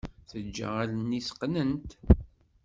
Teǧǧa allen-is qqnent.